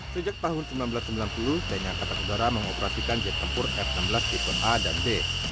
sejak tahun seribu sembilan ratus sembilan puluh tni angkatan udara mengoperasikan jet tempur f enam belas tipe a dan b